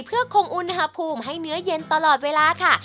เพื่อคงอุณหภูมิให้เนื้อเย็นตลอดเวลาค่ะ